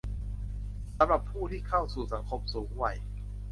สำหรับผู้ที่เข้าสู่สังคมสูงวัย